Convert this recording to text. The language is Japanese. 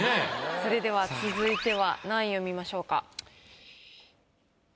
それでは続いては何位を見ましょうか？